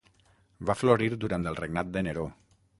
Va florir durant el regnat de Neró.